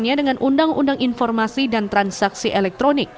dengan undang undang informasi dan transaksi elektronik